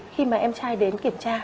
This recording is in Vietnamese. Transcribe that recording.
khi mà em trai đến kiểm tra